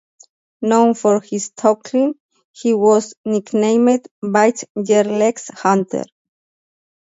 Known for his tackling, he was nicknamed "Bites Yer Legs" Hunter.